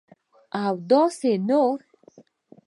اوداسي نور